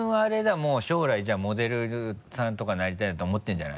もう将来じゃあモデルさんとかになりたいと思ってるんじゃない？